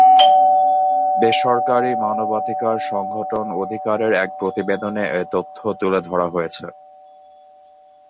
বেসরকারি মানবাধিকার সংগঠন অধিকারের এক প্রতিবেদনে এ তথ্য তুলে ধরা হয়েছে।